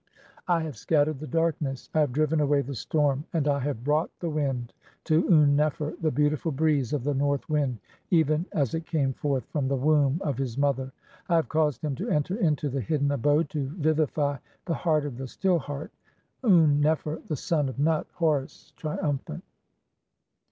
I "have scattered the darkness ; (44) I have driven away the storm, "and I have brought the wind to Un nefer, the beautiful breeze "of the north wind, even as it came forth from the womb (45) "of his mother. I have caused him to enter into the hidden "abode to vivify the heart of the Still Heart, Un nefer, the son "of Nut, Horus, triumphant."